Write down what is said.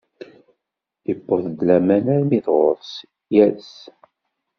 Iwweḍ-d laman armi d ɣuṛ-s, yers.